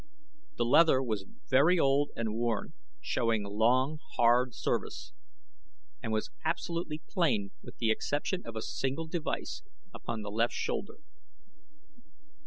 The leather was very old and worn, showing long, hard service, and was absolutely plain with the exception of a single device upon the left shoulder.